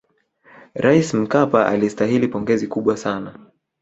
raisi mkapa alistahili pongezi kubwa sana